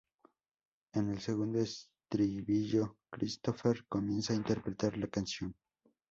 En el segundo estribillo Christofer comienza a interpretar la canción.